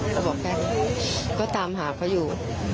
เขาบอกแค่นี้ก็ตามหาเขาอยู่